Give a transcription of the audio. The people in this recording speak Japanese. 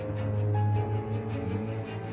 うん。